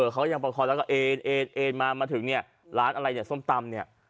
เขายังประคองแล้วก็เอ็นเอ็นมามาถึงเนี่ยร้านอะไรเนี่ยส้มตำเนี่ย